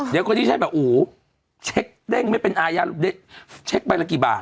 เดี๋ยวคนที่ใช้แบบอู๋เช็คเด้งไม่เป็นอาญาเช็คใบละกี่บาท